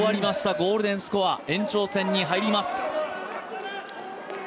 ゴールデンスコア延長戦に入ります。